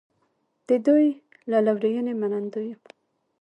د دوی له لورینې منندوی یم.